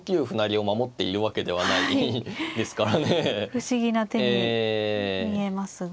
不思議な手に見えますが。